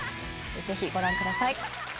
ぜひご覧ください。